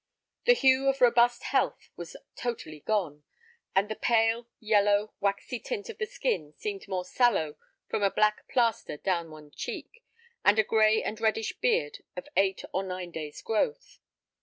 The hue of robust health was totally gone; and the pale, yellow, waxy tint of the skin seemed more sallow from a black plaster down one check, and a gray and reddish beard of eight or nine days' growth.